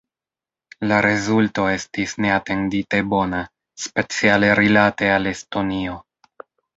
La rezulto estis neatendite bona, speciale rilate al Estonio.